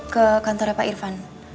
ke kantornya pak irvan